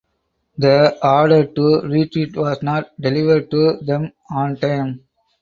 The order to retreat was not delivered to them on time.